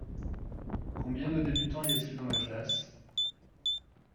Combien de débutants y a-t-il dans la classe ?